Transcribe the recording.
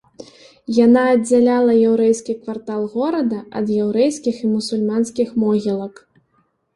Яна аддзяляла яўрэйскі квартал горада ад яўрэйскіх і мусульманскіх могілак.